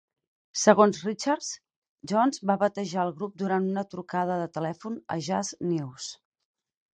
Segons Richards, Jones va batejar el grup durant una trucada de telèfon a "Jazz News".